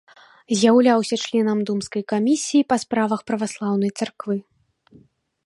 З'яўляўся членам думскай камісіі па справах праваслаўнай царквы.